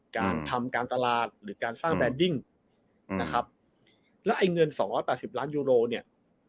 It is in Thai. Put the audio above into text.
การทำการตลาดหรือการสร้างแบรนดิ้งนะครับแล้วไอ้เงินสองร้อยแปดสิบล้านยูโรเนี่ย